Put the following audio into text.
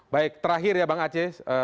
baik terakhir ya bang aceh